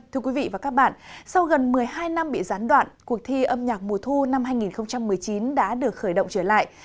thưa quý vị và các bạn sau gần một mươi hai năm bị gián đoạn cuộc thi âm nhạc mùa thu năm hai nghìn một mươi chín đã được khởi động trở lại